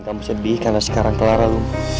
kamu sedih karena sekarang kelaran